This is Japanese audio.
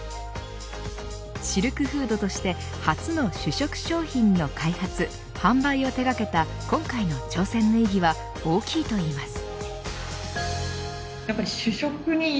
シルクフードとして、初の主食商品の開発、販売を手がけた今回の挑戦の意義は大きいといいます。